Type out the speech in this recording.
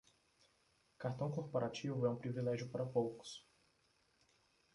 Cartão corporativo é um privilégio para poucos